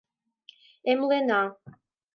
Эмлена!